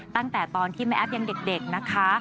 ตั้งแต่ตอนที่แม่แอ๊บยังเด็กนะคะ